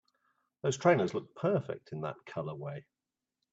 Those trainers look perfect in that colorway!